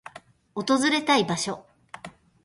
訪れたい場所